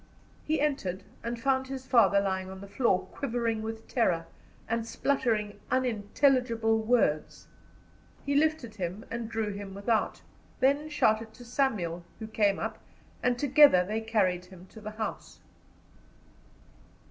He entered, and found his father lying on the floor, quivering with terror, and spluttering unintelligible words. He lifted him, and drew him without, then shouted to Samuel, who came up, and together they carried him to the house.